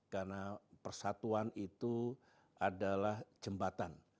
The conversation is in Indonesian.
karena persatuan itu adalah jembatan